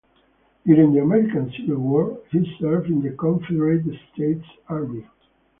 During the American Civil War, he served in the Confederate States Army.